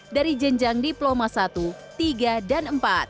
dari jenjang diploma satu tiga dan empat